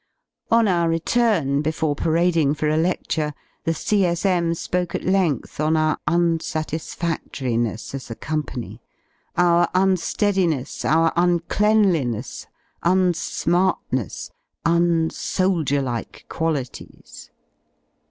41 On our return, before parading for a ledlure, the C.S M. spoke at length on our unsatisfadloriness as a Company: / our unreadiness, our uncleanliness, unsmartness, unsoldier like qualities.